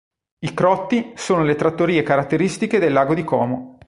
I "Crotti" sono le trattorie caratteristiche del Lago di Como.